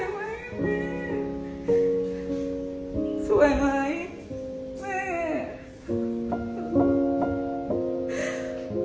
สิ่งใดแกไม่รู้ตัวเดิมว่าใครเป็นของแก